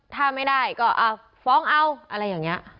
ถ้าไม่ได้ก็ฟ้องเอาอะไรอย่างนี้